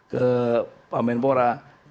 ke pak menpora